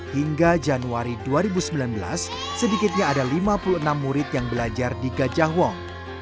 hingga januari dua ribu sembilan belas sedikitnya ada lima puluh enam murid yang belajar di gajah wong